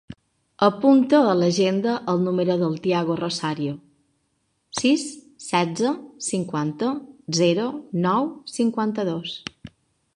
Apunta a l'agenda el número del Tiago Rosario: sis, setze, cinquanta, zero, nou, cinquanta-dos.